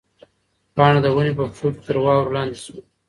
پاڼه د ونې په پښو کې تر واورو لاندې شوه.